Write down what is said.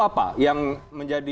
itu apa yang menjadi